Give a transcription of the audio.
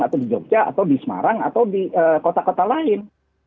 atau di jogja atau di semarang atau di kota kota lain